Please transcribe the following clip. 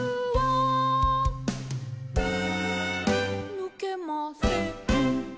「ぬけません」